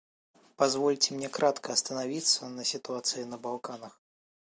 Позвольте мне кратко остановиться на ситуации на Балканах.